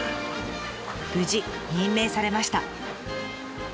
無事任命されました。